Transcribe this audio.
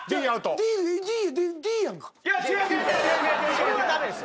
それは駄目です